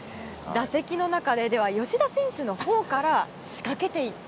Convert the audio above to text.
打席の中ででは、吉田選手のほうから仕掛けていった。